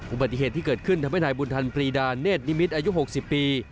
อุบัติเหตุที่เกิดขึ้นทำให้นายบุญทันปรีดาเนธนิมิตรอายุ๖๐ปี